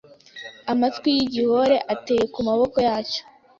Amatwi y’igihore ateye ku maboko yacyo